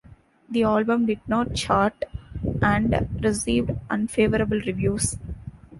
The album did not chart, and received unfavorable reviews.